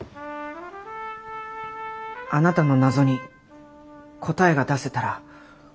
あなたの謎に答えが出せたら。